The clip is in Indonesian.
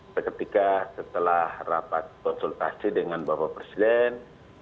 seketika setelah rapat konsultasi dengan bapak presiden